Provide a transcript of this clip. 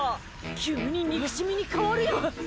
急に憎しみに変わるやん。